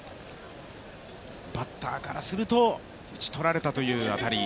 バッターからすると打ち取られたという当たり。